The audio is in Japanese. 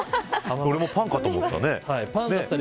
俺もパンかと思ったね。